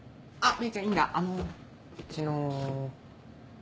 芽衣ちゃんいいんだあのうちの。